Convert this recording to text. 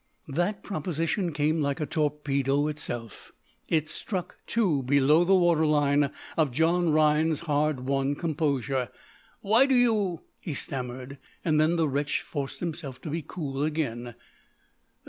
'" That proposition came like a torpedo itself; it struck, too, below the water line of John Rhinds's hard won composure. "Why do you ?" he stammered. Then the wretch forced himself to be cool again.